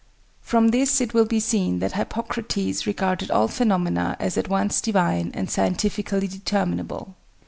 From this it will be seen that Hippocrates regarded all phenomena as at once divine and scientifically determinable.